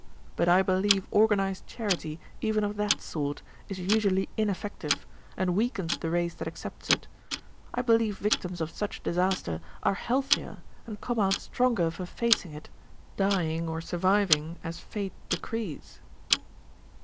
But I believe organized charity even of that sort is usually ineffective, and weakens the race that accepts it. I believe victims of such disaster are healthier and come out stronger for facing it, dying, or surviving, as Fate decrees."